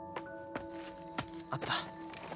あった。